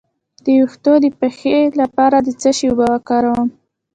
د ویښتو د پخې لپاره د څه شي اوبه وکاروم؟